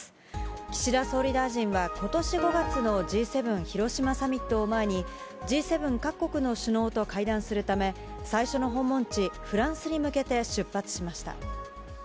岸田総理大臣は、ことし５月のＧ７広島サミットを前にＧ７各国の首脳と会談するため、最初の訪問地、フランスに向けて出発しました。